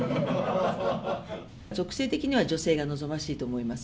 属性的には女性が望ましいと思います。